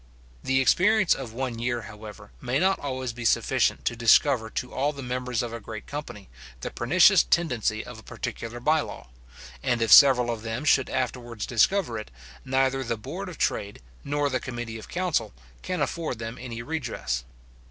The experience of one year, however, may not always be sufficient to discover to all the members of a great company the pernicious tendency of a particular bye law; and if several of them should afterwards discover it, neither the board of trade, nor the committee of council, can afford them any redress.